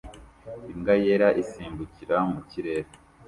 imbwa yera isimbukira mu kirere